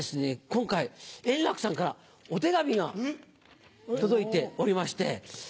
今回円楽さんからお手紙が届いておりまして。